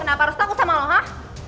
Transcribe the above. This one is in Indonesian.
kenapa harus takut sama lo hah